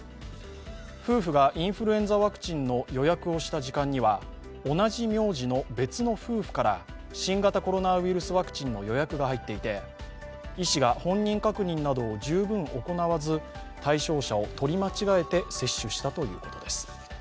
夫婦がインフルエンザワクチンの予約をした時間には同じ名字の別の夫婦から新型コロナウイルスワクチンが入っていて医師が本人確認などを十分行わず対象者を取り間違えて接種したということです。